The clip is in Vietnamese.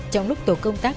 trong lúc tổ công tác